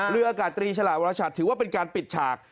เรืออากาศตรีฉลาดวรชัดถือว่าเป็นการปิดฉาก